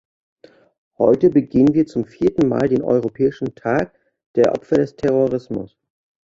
Heute begehen wir zum vierten Mal den Europäischen Tag der Opfer des Terrorismus.